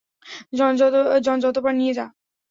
জন, যত পার নিয়ে নাও।